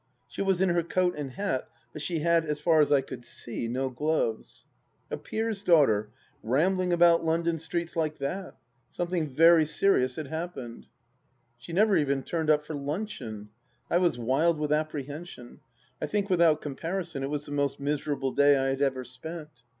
She was in her coat and hat,, but she had, as far as I could see, no gloves. .. A peer's daughter — rambling about London streets like that !... Something very serious had happened. She never even turned up for luncheon. I was wild with apprehension. I think without comparison it was the most miserable day I had ever spent.